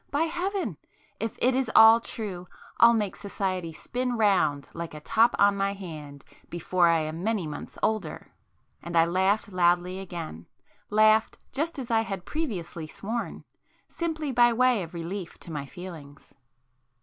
By Heaven!—If it is all true, I'll make society spin round like a top on my hand before I am many months older!" And I laughed loudly again; laughed just as I had previously sworn, simply by way of relief to my feelings.